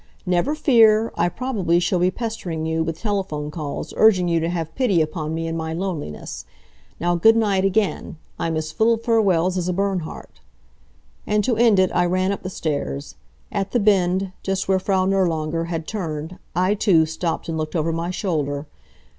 "Never fear! I probably shall be pestering you with telephone calls, urging you to have pity upon me in my loneliness. Now goodnight again. I'm as full of farewells as a Bernhardt." And to end it I ran up the stairs. At the bend, just where Frau Nirlanger had turned, I too stopped and looked over my shoulder.